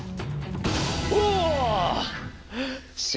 お！